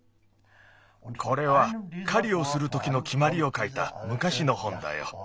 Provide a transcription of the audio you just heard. これはかりをするときのきまりをかいたむかしの本だよ。